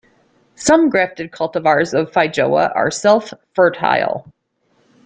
Some grafted cultivars of feijoa are self-fertile.